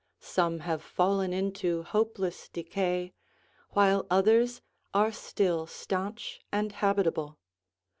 Some have fallen into hopeless decay, while others are still stanch and habitable.